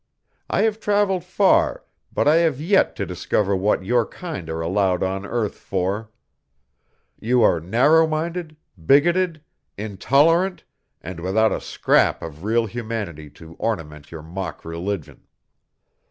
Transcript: I have travelled far, but I have yet to discover what your kind are allowed on earth for. You are narrow minded, bigoted, intolerant, and without a scrap of real humanity to ornament your mock religion.